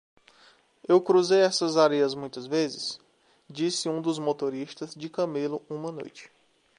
"Eu cruzei estas areias muitas vezes?" disse um dos motoristas de camelo uma noite.